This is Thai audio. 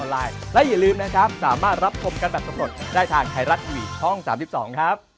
รับคุมกันแบบสมุดได้ทางไทยรัฐอีวิตช่อง๓๒ครับ